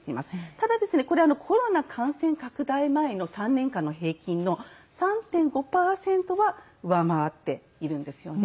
ただコロナ感染拡大前の３年間の平均の３．５％は上回っているんですよね。